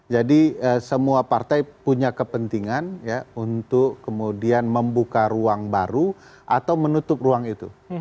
jadi semua partai punya kepentingan untuk kemudian membuka ruang baru atau menutup ruang itu